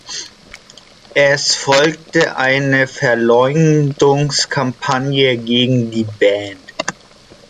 Es folgte eine Verleumdungskampagne gegen die Band.